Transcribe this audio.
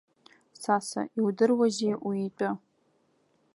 Саса, иудыруазеи уи итәы?